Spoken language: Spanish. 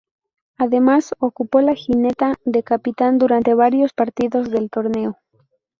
Además, ocupó la jineta de capitán durante varios partidos del torneo.